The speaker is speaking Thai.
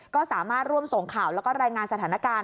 ก็สามารถร่วมส่งข่าวแล้วก็รายงานสถานการณ์